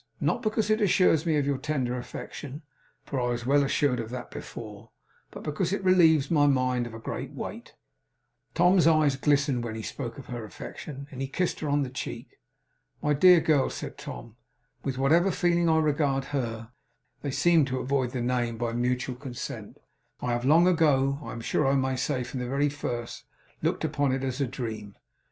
Not because it assures me of your tender affection (for I was well assured of that before), but because it relieves my mind of a great weight.' Tom's eyes glistened when he spoke of her affection; and he kissed her on the cheek. 'My dear girl,' said Tom; 'with whatever feeling I regard her' they seemed to avoid the name by mutual consent 'I have long ago I am sure I may say from the very first looked upon it as a dream.